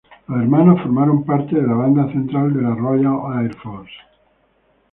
Los hermanos formaron parte de la banda central de la Royal Air Force.